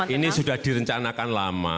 ini sudah direncanakan lama